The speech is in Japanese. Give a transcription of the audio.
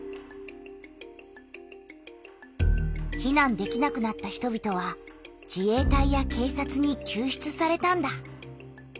避難できなくなった人びとは自衛隊や警察にきゅう出されたんだ。